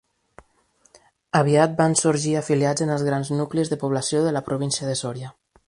Aviat van sorgir afiliats en els grans nuclis de població de la Província de Sòria.